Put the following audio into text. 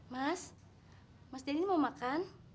mas mas denny mau makan